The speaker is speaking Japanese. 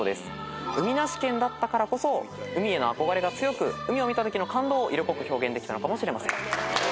海なし県だったからこそ海への憧れが強く海を見たときの感動を色濃く表現できたのかもしれません。